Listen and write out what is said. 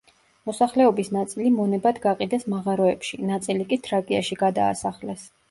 მოსახლეობის ნაწილი მონებად გაყიდეს მაღაროებში, ნაწილი კი თრაკიაში გადაასახლეს.